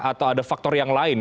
atau ada faktor yang lain